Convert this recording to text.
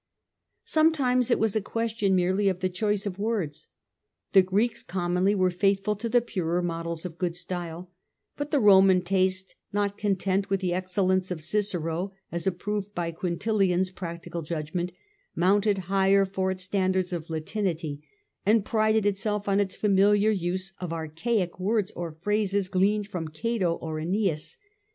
Sometimes it was a question merely of the choice of words. The Greeks commonly were faithful to the purer models of good style ; but the Roman taste, not content with the excellence of Cicero as approved by Quintilian^s practised judgment, mounted higher for its standards of Latinity, and prided itself on its familiar use of archaic words or phrases gleaned from Cato or from Ennius.